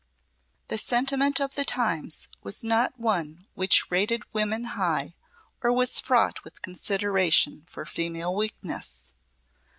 The sentiment of the times was not one which rated women high or was fraught with consideration for female weakness.